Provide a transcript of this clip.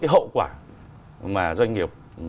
cái hậu quả mà doanh nghiệp